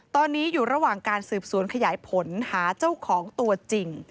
ตอนนี้อยู่ระหว่างการสืบสวนขยายผลหาเจ้าของตัวจริง